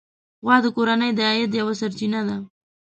غوا د کورنۍ د عاید یوه سرچینه ده.